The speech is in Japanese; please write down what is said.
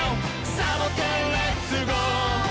「サボテンレッツゴー！」